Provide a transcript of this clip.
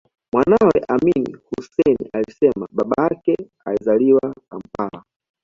Mwanawe Amin Hussein alisema babake alizaliwa Kampala